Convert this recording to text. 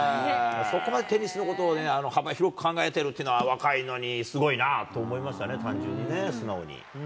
そこまでテニスのことを幅広く考えてるっていうのは、若いのにすごいなと思いましたね、単純にね、素直に。